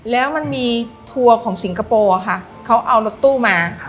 แล้วมันมีทัวร์ของสิงคโปร์ค่ะเขาเอารถตู้มา